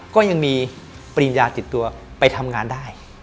ก็ยังมีปริญญาติดตัวไปทำงานได้